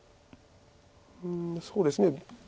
うんそうですね。